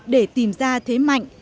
để tìm ra thế mạnh